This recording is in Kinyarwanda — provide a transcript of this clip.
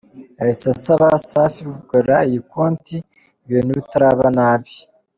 Yahise asaba Safi kugarura iyi konti ibintu bitaraba nabi.